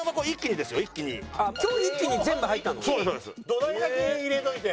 土台だけ入れておいて。